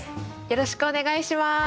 よろしくお願いします。